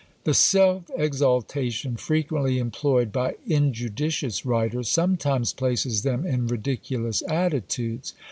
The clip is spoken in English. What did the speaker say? The self exaltation frequently employed by injudicious writers, sometimes places them in ridiculous attitudes.